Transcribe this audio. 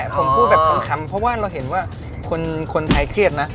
ผมพูดแบบทองคำเพราะว่าเราเห็นว่าคนไทยเครียดนะ